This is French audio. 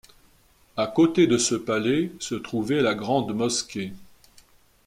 À côté de ce palais se trouvait la grande mosquée.